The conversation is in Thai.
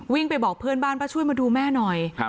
ไปบอกเพื่อนบ้านว่าช่วยมาดูแม่หน่อย